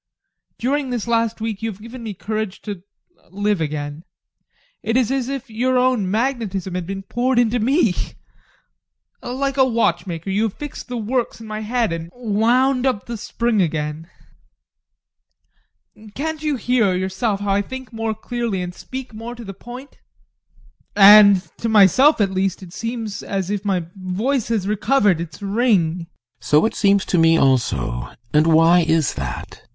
During this last week you have given me courage to live again. It is as if your own magnetism had been poured into me. Like a watchmaker, you have fixed the works in my head and wound up the spring again. Can't you hear, yourself, how I think more clearly and speak more to the point? And to myself at least it seems as if my voice had recovered its ring. GUSTAV. So it seems to me also. And why is that? ADOLPH.